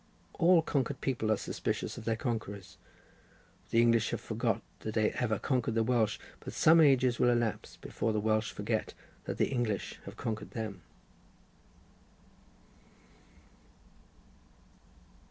All conquered people are suspicious of their conquerors. The English have forgot that they ever conquered the Welsh, but some ages will elapse before the Welsh forget that the English have conquered them.